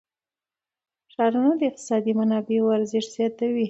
ښارونه د اقتصادي منابعو ارزښت ډېر زیاتوي.